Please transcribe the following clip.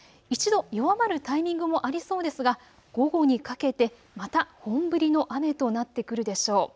１度、弱まるタイミングもありそうですが午後にかけてまた本降りの雨となってくるでしょう。